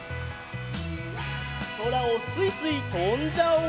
そらをすいすいとんじゃおう。